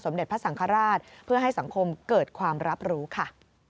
เด็จพระสังฆราชเพื่อให้สังคมเกิดความรับรู้ค่ะ